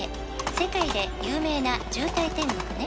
「世界で有名な渋滞天国ね」